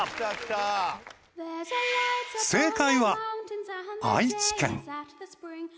正解は愛知県。